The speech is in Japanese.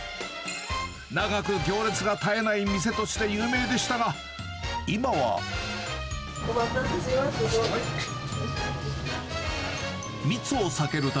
長く行列が絶えない店として有名お待たせしました！